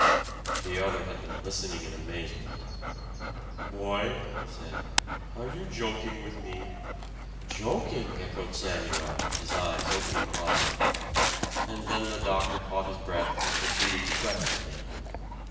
The other had been listening in amazement. "Boy," he said, "are you joking with me?" "Joking!" echoed Samuel, his eyes opening wide. And then the doctor caught his breath and proceeded to question him.